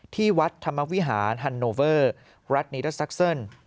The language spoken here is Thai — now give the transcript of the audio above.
ที่วัดธรรมวิหารฮันโนเวอร์รัฐนีรัฐศักดิ์เซิน